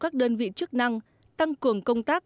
các đơn vị chức năng tăng cường công tác